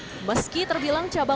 dukungan pemerintah saat ini sangat baik